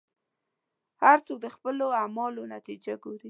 هر څوک د خپلو اعمالو نتیجه ګوري.